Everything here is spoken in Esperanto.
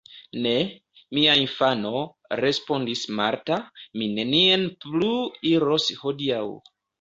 Ne, mia infano, respondis Marta, mi nenien plu iros hodiaŭ.